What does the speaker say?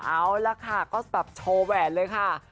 เอาละค่ะก็แบบโชว์แหวนเลยค่ะ